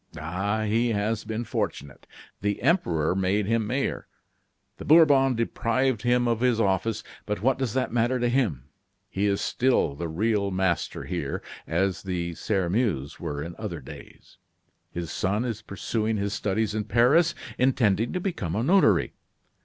Ah, he has been fortunate. The emperor made him mayor. The Bourbons deprived him of his office; but what does that matter to him? He is still the real master here, as the Sairmeuse were in other days. His son is pursuing his studies in Paris, intending to become a notary.